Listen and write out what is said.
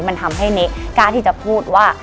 มันทำให้เนกล้าที่จะพูดว่า